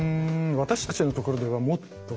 私たちのところではもっと。